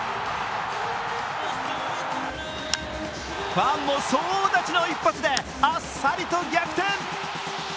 ファンも総立ちの一発であっさりと逆転。